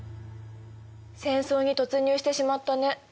戦争に突入してしまったね。